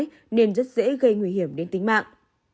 trẻ lại không biết nói nên rất dễ gây nguy hiểm đến tính mạng